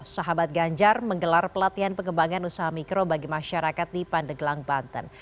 sahabat ganjar menggelar pelatihan pengembangan usaha mikro bagi masyarakat di pandeglang banten